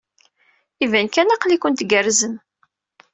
Iban kan aql-iken tgerrzem.